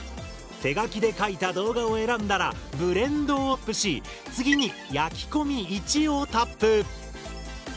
手書きで書いた動画を選んだら「ブレンド」をタップし次に「焼き込み１」をタップ。